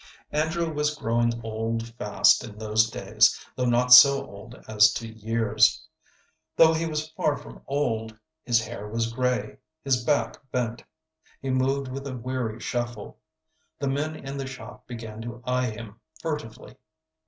Andrew was growing old fast in those days, though not so old as to years. Though he was far from old, his hair was gray, his back bent. He moved with a weary shuffle. The men in the shop began to eye him furtively.